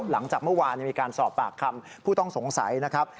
หลังจากเมื่อวานมีการสอบปากคำผู้ต้องสงสัยนะครับ